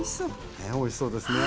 ねえおいしそうですね。